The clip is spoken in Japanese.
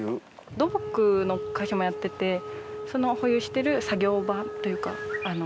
土木の会社もやっていてその保有している作業場というか。